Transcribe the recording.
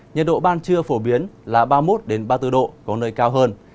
nhiệt độ ban trưa phổ biến là ba mươi một ba mươi bốn độ có nơi cao hơn